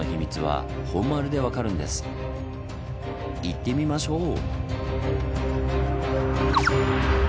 行ってみましょう。